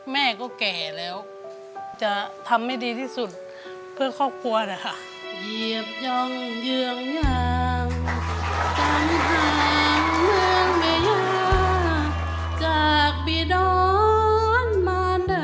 แม่ก็แก่แล้วจะทำให้ดีที่สุดเพื่อครอบครัวนะคะ